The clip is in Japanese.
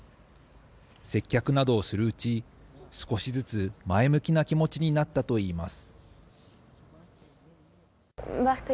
接客などをするうち、少しずつ前向きな気持ちになったといいます。